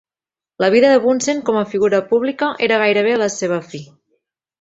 La vida de Bunsen com a figura pública era gairebé a la seva fi.